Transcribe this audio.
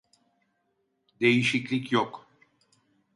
Değişiklik yok